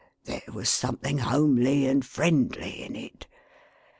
There was something homely and friendly in it.